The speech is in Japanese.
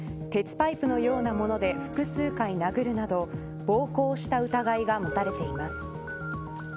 パイプのようなもので複数回殴るなど暴行した疑いが持たれています。